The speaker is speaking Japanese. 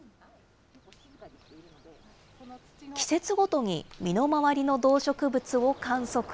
季節ごとに身の回りの動植物を観測。